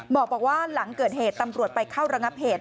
บอกว่าหลังเกิดเหตุตำรวจไปเข้าระงับเหตุ